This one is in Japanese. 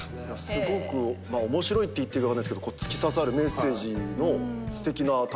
すごく面白いって言っていいか分かんないですけど突き刺さるメッセージのすてきな短編を頂きまして。